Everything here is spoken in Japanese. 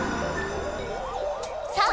さあ！